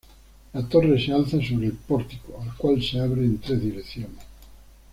La torre se alza sobre el pórtico al cual se abre en tres direcciones.